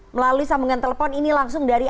melalui sambungan telepon ini langsung dari